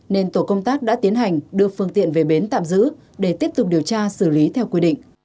nên tổ công tác đã tiến hành đưa phương tiện về bến tạm giữ để tiếp tục điều tra xử lý theo quy định